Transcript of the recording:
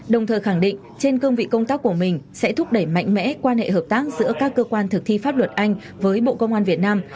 đồng thời khẳng định trên cương vị công tác của mình sẽ thúc đẩy mạnh mẽ quan hệ hợp tác giữa các cơ quan thực thi pháp luật anh với bộ công an việt nam